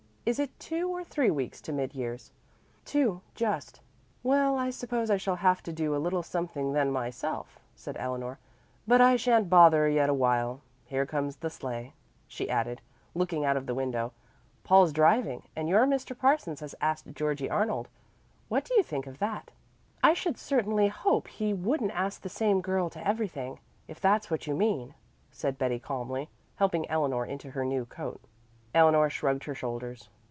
Is it two or three weeks to mid years?" "Two, just." "Well, I suppose I shall have to do a little something then myself," said Eleanor, "but I shan't bother yet awhile. Here comes the sleigh," she added, looking out of the window. "Paul's driving, and your Mr. Parsons has asked Georgie Arnold. What do you think of that?" "I should certainly hope he wouldn't ask the same girl to everything, if that's what you mean," said Betty calmly, helping Eleanor into her new coat. Eleanor shrugged her shoulders.